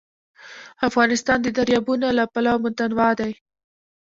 افغانستان د دریابونه له پلوه متنوع دی.